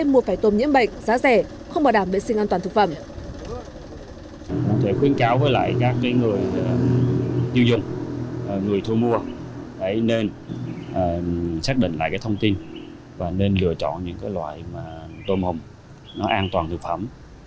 mua phải tôm nhiễm bệnh giá rẻ không bảo đảm vệ sinh an toàn thực phẩm